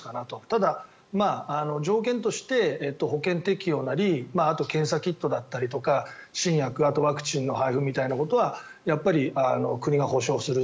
ただ、条件として保険適用なりあとは検査キットだったりとか新薬、あとはワクチンの配布みたいなことはやっぱり国が保障する。